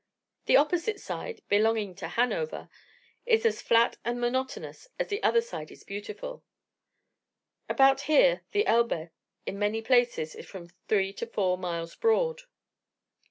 The opposite side, belonging to Hanover, is as flat and monotonous as the other is beautiful. About here the Elbe, in many places, is from three to four miles broad.